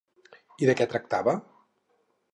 I de què tractava?